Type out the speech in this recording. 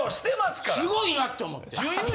すごいなって思って。